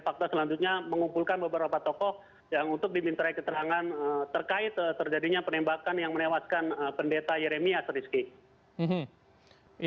fakta selanjutnya mengumpulkan beberapa tokoh yang untuk diminta keterangan terkait terjadinya penembakan yang menewaskan pendeta yeremias rizky